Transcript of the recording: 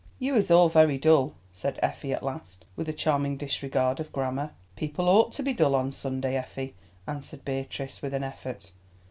"You is all very dull," said Effie at last, with a charming disregard of grammar. "People ought to be dull on Sunday, Effie," answered Beatrice, with an effort.